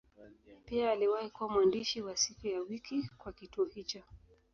Pia aliwahi kuwa mwandishi wa siku ya wiki kwa kituo hicho.